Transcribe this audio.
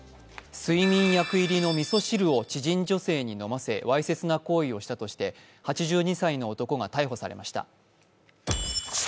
睡眠薬入りのみそ汁を知人女性に飲ませわいせつな行為をしたとして８２歳の男が逮捕されました。